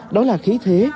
đó là khí thế